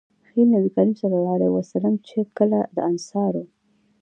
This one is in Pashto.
نبي کريم صلی الله عليه وسلم چې کله د انصارو